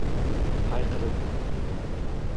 Hayqirib: